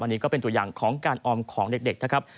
อันนี้ก็เป็นตัวอย่างของการออมของเด็กนะครับ